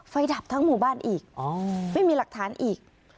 ดับทั้งหมู่บ้านอีกไม่มีหลักฐานอีก